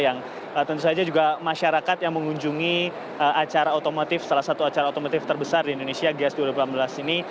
yang tentu saja juga masyarakat yang mengunjungi acara otomotif salah satu acara otomotif terbesar di indonesia giias dua ribu delapan belas ini